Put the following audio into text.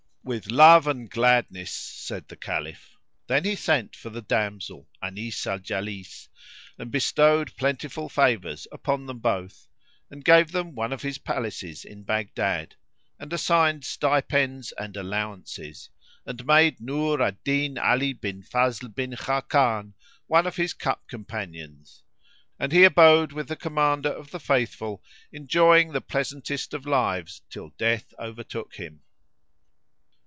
"With love and gladness," said the Caliph. Then he sent for the damsel, Anis al Jalis, and bestowed plentiful favours upon them both and gave them one of his palaces in Baghdad, and assigned stipends and allowances, and made Nur al Din Ali bin Fazl bin Khákán, one of his cup companions; and he abode with the Commander of the Faithful enjoying the pleasantest of lives till death overtook him.